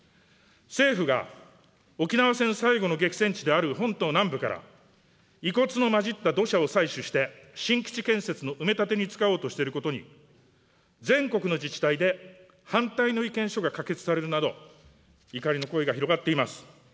政府が沖縄戦最後の激戦地である本島南部から遺骨の混じった土砂を採取して新基地建設の埋め立てに使おうとしていることに、全国の自治体で反対の意見書が可決されるなど、怒りの声が広がっています。